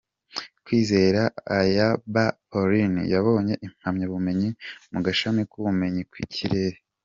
Kwizera Ayabba Paulin: yabonye impamyabumenyi mu gashami k’Ubumenyi bw’ikirere.